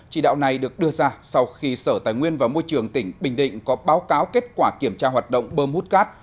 chỉ đạo này được đưa ra sau khi sở tài nguyên và môi trường tỉnh bình định có báo cáo kết quả kiểm tra hoạt động bơm hút cát